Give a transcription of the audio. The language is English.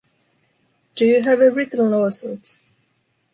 Do you have a written lawsuit?